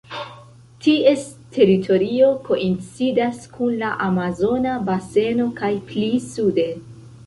Ties teritorio koincidas kun la Amazona Baseno kaj pli sude.